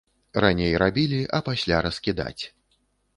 Раней рабілі, а пасля раскідаць.